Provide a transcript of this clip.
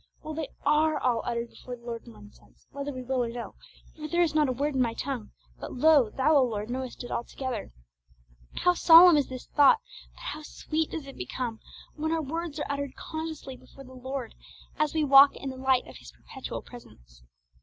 Well, they are all uttered before the Lord in one sense, whether we will or no; for there is not a word in my tongue, but lo, Thou, O Lord, knowest it altogether! How solemn is this thought, but how sweet does it become when our words are uttered consciously before the Lord as we walk in the light of His perpetual presence!